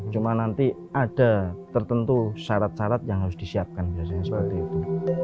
cuma nanti ada tertentu syarat syarat yang harus disiapkan biasanya seperti itu